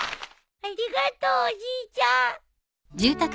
ありがとうおじいちゃん。